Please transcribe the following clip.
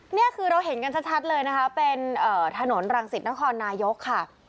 นี่คือเราเห็นกันชัดเลยนะคะเป็นถนนรังสิตนครนายกค่ะ